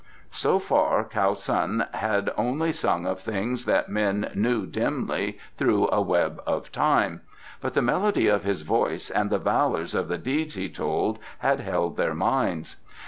So far Kiau Sun had only sung of things that men knew dimly through a web of time, but the melody of his voice and the valours of the deeds he told had held their minds.